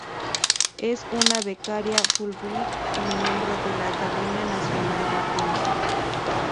Es una becaria Fulbright y miembro de la Academia Nacional de Ciencias.